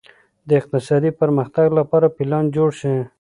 د اقتصادي پرمختګ لپاره پلان جوړ شي.